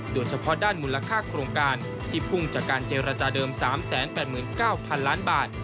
โดยเฉพาะด้านมูลค่าโครงการที่พุ่งจากการเจรจาเดิม๓๘๙๐๐ล้านบาท